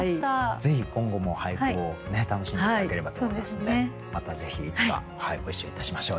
ぜひ今後も俳句を楽しんで頂ければと思いますのでまたぜひいつかご一緒いたしましょう。